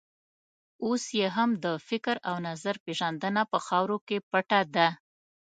اوس یې هم د فکر او نظر پېژندنه په خاورو کې پټه ده.